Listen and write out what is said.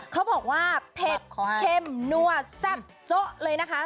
เขาบอกว่าเผ็ดเข้มนั่วแซ่บโจ๊ะเลยนะคะ